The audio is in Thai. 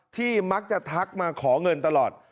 ที่มักจะทักมาขอเงินตลอด